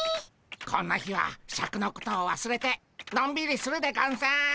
こんな日はシャクのことをわすれてのんびりするでゴンス。